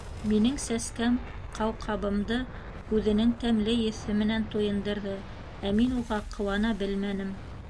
Минең сәскәм ҡауҡабымды үҙенең тәмле еҫе менән туйындырҙы, ә мин уға ҡыуана белмәнем.